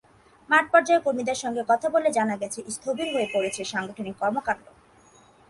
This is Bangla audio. মাঠপর্যায়ের কর্মীদের সঙ্গে কথা বলে জানা গেছে, স্থবির হয়ে পড়েছে সাংগঠনিক কর্মকাণ্ড।